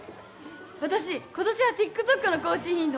私今年はＴｉｋＴｏｋの更新頻度